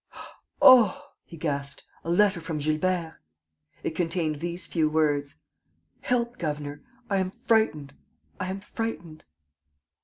_" "Oh," he gasped, "a letter from Gilbert!" It contained these few words: "Help, governor!... I am frightened. I am frightened...."